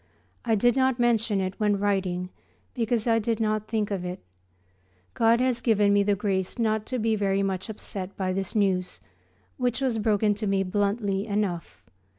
I did not mention it when writing because I did not think of it. God has given me the grace not to be very much upset by this news, which was broken to me bluntly enough.